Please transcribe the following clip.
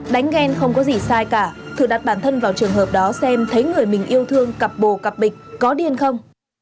đánh ghen không có gì sai cả thử đặt bản thân vào trường hợp đó xem thấy người mình yêu thương cặp bồ cặp bịch có điên không